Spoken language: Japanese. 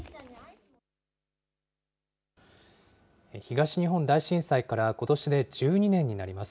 東日本大震災からことしで１２年になります。